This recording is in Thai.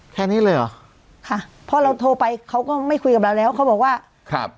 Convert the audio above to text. แค่นี้เลยเหรอค่ะเพราะเราโทรไปเขาก็ไม่คุยกับเราแล้วเขาบอกว่าครับ